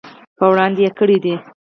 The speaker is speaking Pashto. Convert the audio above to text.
په وړاندې یې کړي دي.